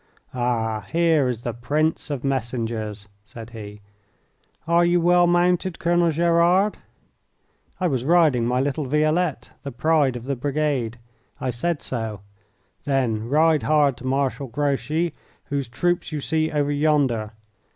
"Ah! here is the prince of messengers," said he. "Are you well mounted, Colonel Gerard?" I was riding my little Violette, the pride of the brigade. I said so. "Then ride hard to Marshal Grouchy, whose troops you see over yonder.